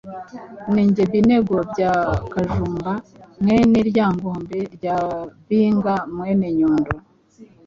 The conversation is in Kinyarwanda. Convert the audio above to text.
Ni nge Binego bya Kajumba mwene Ryangombe rya Babinga mwene Nyundo”,